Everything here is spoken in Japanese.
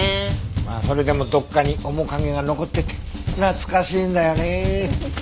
まあそれでもどこかに面影が残ってて懐かしいんだよねえ。